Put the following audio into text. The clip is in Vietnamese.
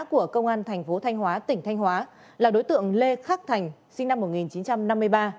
của công an thành phố thanh hóa tỉnh thanh hóa là đối tượng lê khắc thành sinh năm một nghìn chín trăm năm mươi ba